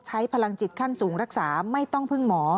ใช้พลังจิตขั้นสูงรักษาไม่ต้องพึ่งหมอ